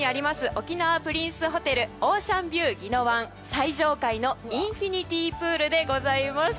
沖縄プリンスホテルオーシャンビューぎのわん最上階のインフィニティプールでございます。